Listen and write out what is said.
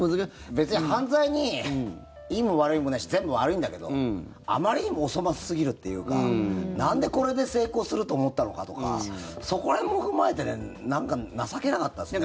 別に犯罪にいいも悪いもないし全部悪いんだけどあまりにもお粗末すぎるというかなんで、これで成功すると思ったのかとかそこら辺も踏まえてなんか情けなかったですね。